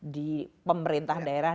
di pemerintah daerah